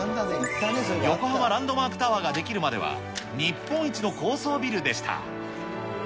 横浜ランドマークタワーができるまでは、日本一の高層ビルでした。